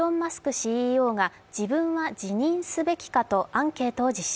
ＣＥＯが自分は辞任すべきかとアンケートを実施。